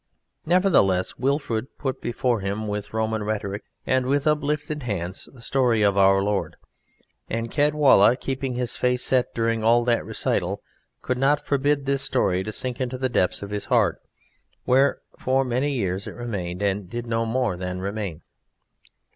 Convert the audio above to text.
Nevertheless Wilfrid put before him, with Roman rhetoric and with uplifted hands, the story of our Lord, and Caedwalla, keeping his face set during all that recital, could not forbid this story to sink into the depths of his heart, where for many years it remained, and did no more than remain.